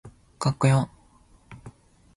かっこよ